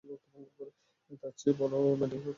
তার চেয়ে বলো মেডেলিনের কফিনের ডালা খোলার শব্দ।